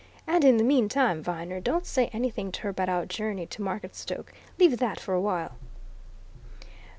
And in the meantime, Viner, don't say anything to her about our journey to Marketstoke leave that for a while."